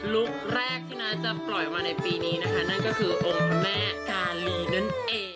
ุคแรกที่น้าจะปล่อยมาในปีนี้นะคะนั่นก็คือองค์คุณแม่กาลีนั่นเอง